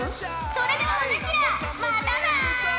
それではお主らまたな！